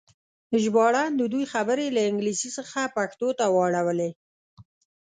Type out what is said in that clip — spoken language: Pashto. ژباړن د دوی خبرې له انګلیسي څخه پښتو ته واړولې.